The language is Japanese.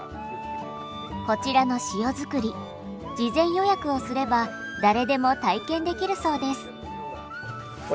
こちらの塩作り事前予約をすれば誰でも体験できるそうです。